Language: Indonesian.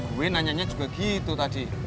gue nanyanya juga gitu tadi